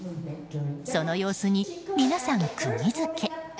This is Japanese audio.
その様子に皆さん、釘づけ。